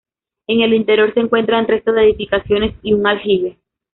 En el interior se encuentran restos de edificaciones y un aljibe.